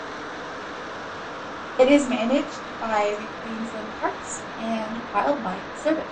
It is managed by the Queensland Parks and Wildlife Service.